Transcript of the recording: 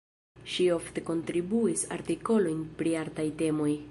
Ŝi ofte kontribuis artikolojn pri artaj temoj.